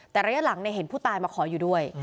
แต่ระยะหลังเห็นผู้ตายมาขออยู่ด้วย